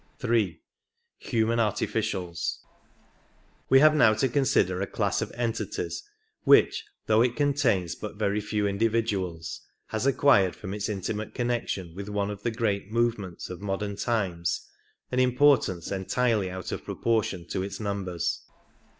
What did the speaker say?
3. Human Artificials. We have now to consider a class of entities which, though it contains but very few individuals, has acquired from its intimate connection with one of the great movements of modern times an importance entirely out of proportion to its numbers.